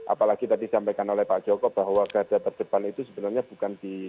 apalagi tadi disampaikan oleh pak joko bahwa garda terdepan itu sebenarnya bukan di